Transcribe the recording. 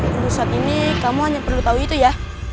urusan ini kamu hanya perlu tahu itu ya